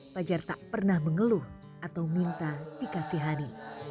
fajar tak pernah mengeluh atau minta dikasih hari